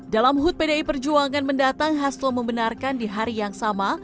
dalam hud pdi perjuangan mendatang hasto membenarkan di hari yang sama